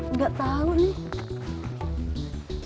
nggak tahu nek